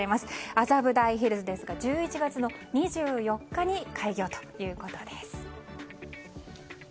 麻布台ヒルズですが１１月２４日に開業ということです。